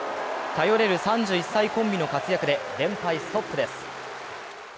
頼れる３１歳コンビの活躍で連敗ストップです。